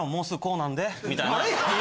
みたいな。